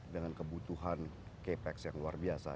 dengan kebutuhan kpex yang luar biasa